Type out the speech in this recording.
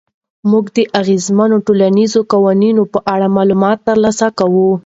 موږ د اغېزمنو ټولنیزو قوتونو په اړه معلومات ترلاسه کوو.